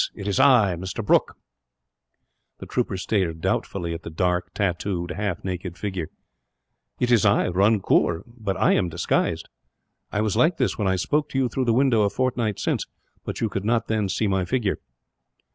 It is I, Mr. Brooke." The trooper stared doubtfully at the dark, tattooed, half naked figure. "It is I, Runkoor, but I am disguised. I was like this when I spoke to you through the window a fortnight since, but you could not then see my figure.